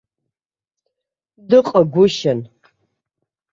Дыҟагәышьан.